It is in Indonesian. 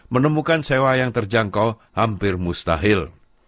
menemukan sewa yang terjangkau hampir mustahil